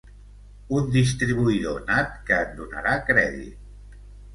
Un distribuïdor nat, que et donarà crèdit.